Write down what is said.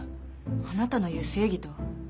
あなたのいう正義とは？